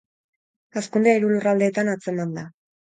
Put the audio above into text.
Hazkundea hiru lurraldeetan atzeman da.